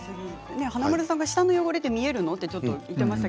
華丸さんが舌の汚れは見えるの？と言っていました